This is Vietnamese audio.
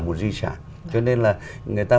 một di sản cho nên là người ta